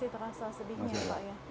terasa sedihnya ya pak ya